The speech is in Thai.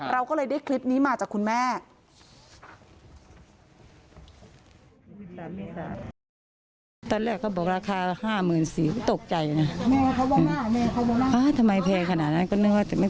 เราก็เลยได้คลิปนี้มาจากคุณแม่